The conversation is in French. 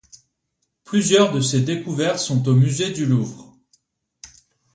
Plusieurs de ses découvertes sont au musée du Louvre.